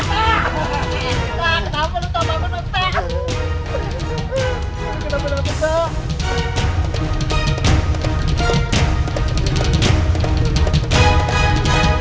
kenapa lu tambah menetek